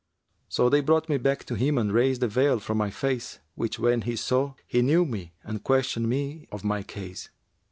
So they brought me back to him and raised the veil from my face, which when he saw, he knew me and questioned me of my case.